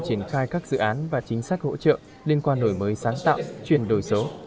triển khai các dự án và chính sách hỗ trợ liên quan đổi mới sáng tạo chuyển đổi số